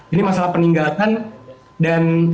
ini masalah peninggalan dan